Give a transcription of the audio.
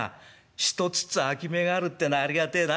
１つずつ空き目があるってのはありがてえな。